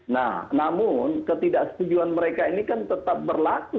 nah namun ketidaksetujuan mereka ini kan tetap berlaku